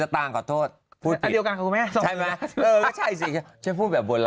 ๕๐สตางค์ขอโทษพูดผิด